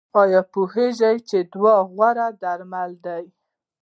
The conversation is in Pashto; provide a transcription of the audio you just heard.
ایا پوهیږئ چې دعا غوره درمل ده؟